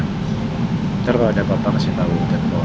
nanti kalau ada bapak kasih tau di depan